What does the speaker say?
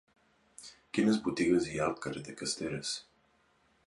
Quines botigues hi ha al carrer de Casteràs?